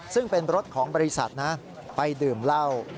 ซึ่งเป็นรถของบริษัทนะไปดื่มเหล้า